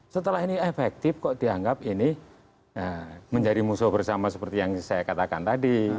setelah ini efektif kok dianggap ini menjadi musuh bersama seperti yang saya katakan tadi